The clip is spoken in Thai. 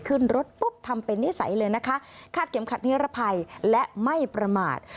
ขึ้นรถปุ๊บทำเป็นนิสัยเลยนะคะคาดเข็มขัดนิรภัยและไม่ประมาท